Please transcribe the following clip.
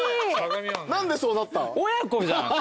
何でそうなった？